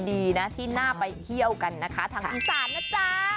ดีนะที่น่าไปเที่ยวกันนะคะทางอีสานนะจ๊ะ